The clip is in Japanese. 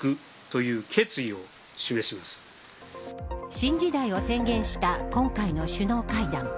新時代を宣言した今回の首脳会談。